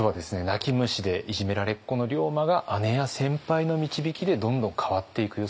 泣き虫でいじめられっ子の龍馬が姉や先輩の導きでどんどん変わっていく様子を見てきました。